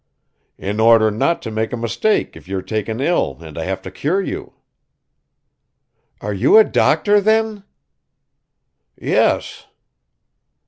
"In order not to make a mistake if you're taken ill and I have to cure you." "Are you a doctor, then?" "Yes."